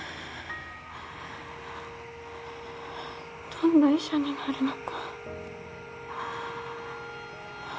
どんな医者になるのか